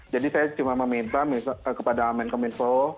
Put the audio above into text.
jadi saya cuma meminta kepada menkom info